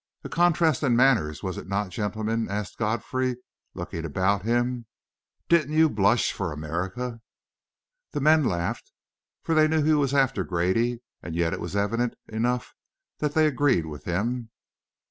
"A contrast in manners, was it not, gentlemen?" asked Godfrey, looking about him. "Didn't you blush for America?" The men laughed, for they knew he was after Grady, and yet it was evident enough that they agreed with him.